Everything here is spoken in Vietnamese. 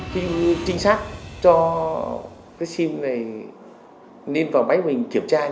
chính xác cho cái sim này lên vào máy mình kiểm tra